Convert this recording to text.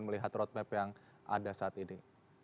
melihat roadmap yang ada saat ini